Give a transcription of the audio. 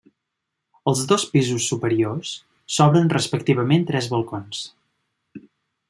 Als dos pisos superiors s'obren respectivament tres balcons.